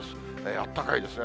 あったかいですね。